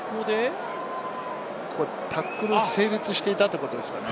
タックル成立していたということですかね？